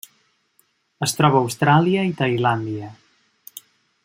Es troba a Austràlia i Tailàndia.